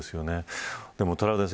トラウデンさん